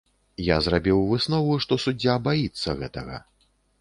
Я зрабіў выснову, што суддзя баіцца гэтага.